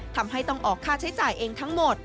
ทำให้ต้องออกค่าใช้จ่ายเองทั้งหมด